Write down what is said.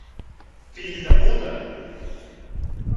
Fill de puta!